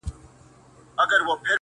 ايله چي شل! له ځان سره خوارې کړې ده!